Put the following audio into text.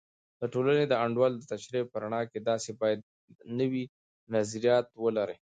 د ټولنې د انډول د تشریح په رڼا کې، تاسې باید نوي نظریات ولرئ.